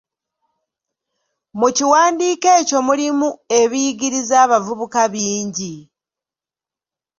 Mu kiwandiiko ekyo mulimu ebiyigiriza abavubuka bingi.